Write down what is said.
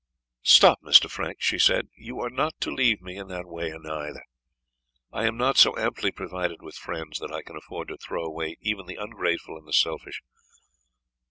"Stop, Mr. Frank," she said, "you are not to leave me in that way neither; I am not so amply provided with friends, that I can afford to throw away even the ungrateful and the selfish.